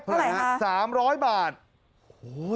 เท่าไหร่ครับบาท๓๐๐บาท